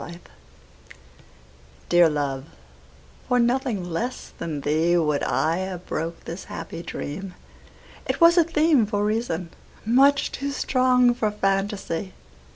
The Dream DEAR love, for nothing less than theeWould I have broke this happy dream; It was a themeFor reason, much too strong for fantasy.